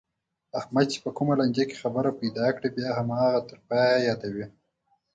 احمد چې په کومه لانجه کې خبره پیدا کړي، بیا هماغه تر پایه یادوي.